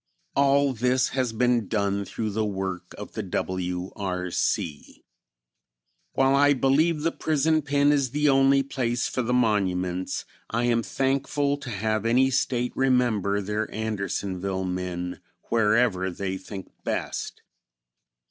All this has been done through the work of the W. R. C. While I believe the prison pen is the only place for the monuments, I am thankful to have any State remember their Andersonville men wherever they think best.